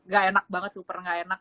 gak enak banget super gak enak